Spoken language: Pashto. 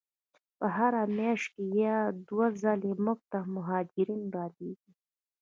په هره میاشت کې یو یا دوه ځلې موږ ته مهاجرین را لیږي.